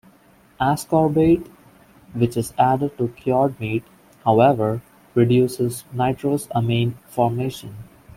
Ascorbate, which is added to cured meat, however, reduces nitrosamine formation.